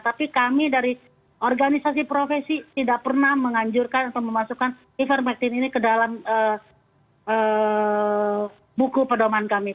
tapi kami dari organisasi profesi tidak pernah menganjurkan atau memasukkan ivermectin ini ke dalam buku pedoman kami